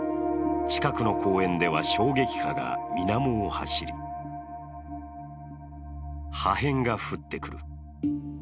近くの公園では衝撃波が水面を走り、破片が降ってくる。